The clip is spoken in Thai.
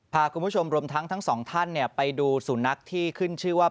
พาคุณผู้ชมรวมทั้งทั้งสองท่านไปดูสุนัขที่ขึ้นชื่อว่า